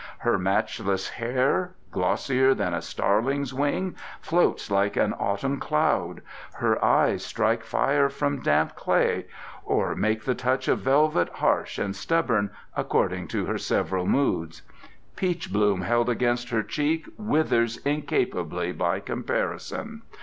Her matchless hair, glossier than a starling's wing, floats like an autumn cloud. Her eyes strike fire from damp clay, or make the touch of velvet harsh and stubborn, according to her several moods. Peach bloom held against her cheek withers incapably by comparison.